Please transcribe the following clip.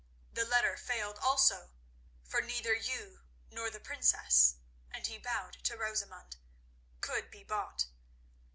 The letter failed also, for neither you, nor the Princess"—and he bowed to Rosamund—"could be bought.